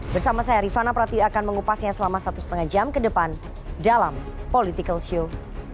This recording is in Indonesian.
bersama saya rifana prati akan mengupasnya selama satu lima jam ke depan dalam political show